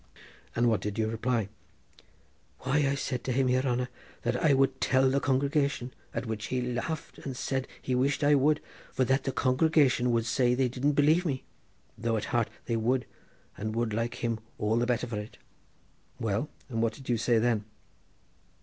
"And what did you reply?" "Why I said to him, yere hanner, that I would tell the congregation, at which he laughed and said that he wished I would, for that the congregation would say they didn't believe me, though at heart they would, and would like him all the better for it." "Well, and what did you say then?"